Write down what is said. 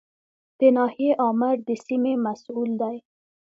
د ناحیې آمر د سیمې مسوول دی